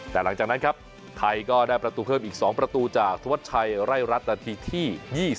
แต่หลังจากนั้นครับไทยก็ได้ประตูเพิ่มอีก๒ประตูจากธวัชชัยไร่รัฐนาทีที่๒๐